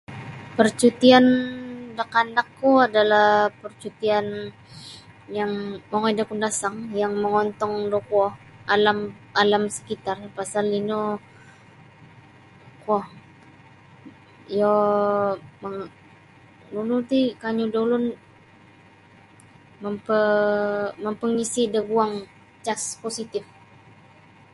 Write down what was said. Parcutian da kandakku adalah parcutian yang mongoi da Kundasang yang mongontong da kuo alam alam sekitar pasal ino kuoh iyo um nunu ti kanyu da ulun mampe mampengisi' daguang cas positif